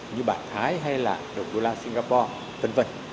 như bản thái hay là đồng đô la singapore